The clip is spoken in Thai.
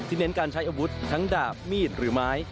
เน้นการใช้อาวุธทั้งดาบมีดหรือไม้